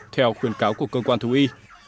theo khuyên cáo của cơ quan thú y